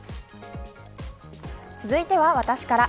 続いては私から。